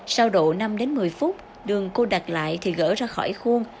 sau độ năm đến một mươi phút đường cô đặt lại thì gỡ ra khỏi khuôn